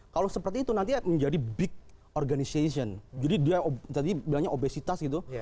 kalau seperti itu nanti menjadi big organization jadi dia tadi bilangnya obesitas gitu